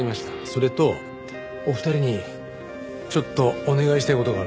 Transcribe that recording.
それとお二人にちょっとお願いしたい事があるんです。